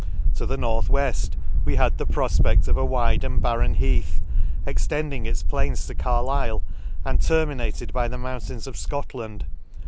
— To the north weft we had the profpedl of a wide and barren heath, extending its plains to Carlifle, and terminated by the mountains of Scotland.